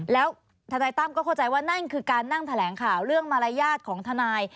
แล้วทนายตั้มก็เข้าใจว่านั่นคือการนั่งแถลงข่าวเรื่องมารยาทของทนาย